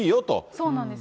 そうなんです。